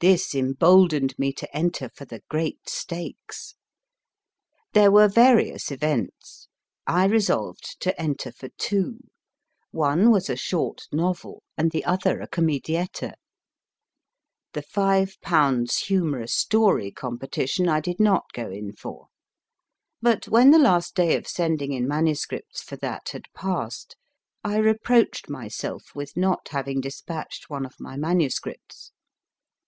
This emboldened me to enter for the great stakes. There were various events. I resolved to enter for two. One was a short novel, and the other a comedietta. The 5/. humorous story competition I did not go in for ; but when the last day of sending in MSS. for that had passed, I reproached myself with not having despatched one of my manuscripts.